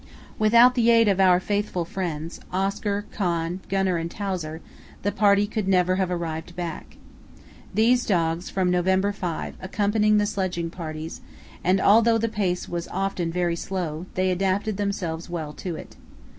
"Without the aid of four faithful friends, Oscar, Con, Gunner, and Towser, the party could never have arrived back. These dogs from November 5 accompanied the sledging parties, and, although the pace was often very slow, they adapted themselves well to it.